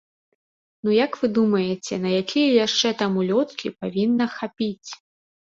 Ну, як вы думаеце, на якія яшчэ там улёткі павінна хапіць?